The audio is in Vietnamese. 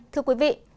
thưa quý vị